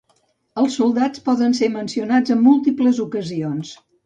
Els soldats poden ser mencionats en múltiples ocasions.